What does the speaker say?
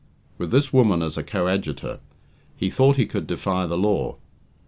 With this woman as a coadjutor, he thought he could defy the law.